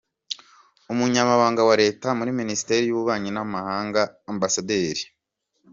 Umunyamabanga wa Leta muri Minisiteri y’ Ububanyi n’ amahanga Amb.